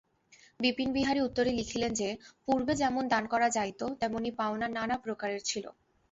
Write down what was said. বিপিনবিহারী উত্তরে লিখিলেন যে, পূর্বে যেমন দান করা যাইত তেমনি পাওনা নানাপ্রকারের ছিল।